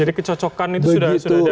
jadi kecocokan itu sudah ada begitu ya